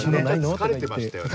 疲れてましたよね